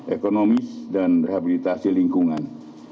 ekonomis dan rehabilitasi lingkungan